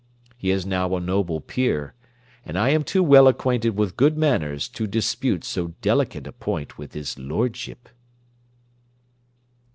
He is now a noble peer, and I am too well acquainted with good manners to dispute so delicate a point with his lordship.